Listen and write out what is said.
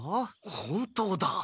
本当だ。